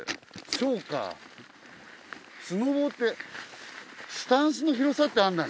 そうかスノボってスタンスの広さってあんだね。